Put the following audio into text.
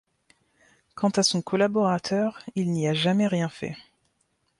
Quant à son collaborateur, il n’y a jamais rien fait.